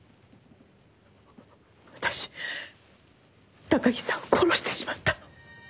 私ね私高木さんを殺してしまったの！